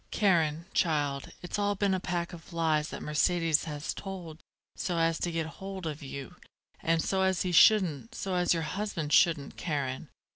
Karen, child, it's all been a pack of lies that Mercedes has told so as to get hold of you, and so as he shouldn't so as your husband shouldn't, Karen.